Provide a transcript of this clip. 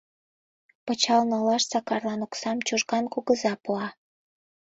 Пычал налаш Сакарлан оксам Чужган кугыза пуа.